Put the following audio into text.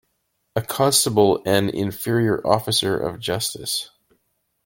A constable an inferior officer of justice.